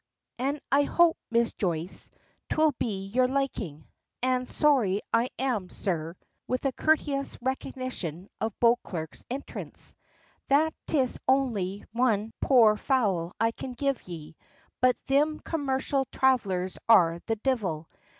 "An' I hope, Miss Joyce, 'twill be to your liking. An' sorry I am, sir," with a courteous recognition of Beauclerk's entrance, "that 'tis only one poor fowl I can give ye. But thim commercial thravellers are the divil.